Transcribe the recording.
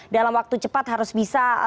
dalam waktu cepat harus bisa